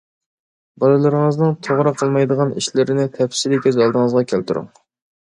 بالىلىرىڭىزنىڭ توغرا قىلمايدىغان ئىشلىرىنى تەپسىلىي كۆز ئالدىڭىزغا كەلتۈرۈڭ.